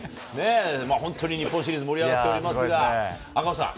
本当に日本シリーズ盛り上がっていますが、赤星さん。